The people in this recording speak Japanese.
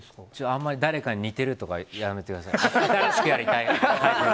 あんまり誰かに似てるとかやめてください。